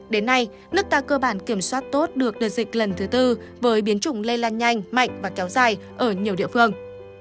đến nay nước ta cơ bản kiểm soát tốt được đợt dịch lần thứ tư với biến chủng lây lan nhanh mạnh và kéo dài ở nhiều địa phương